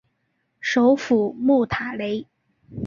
首府穆塔雷。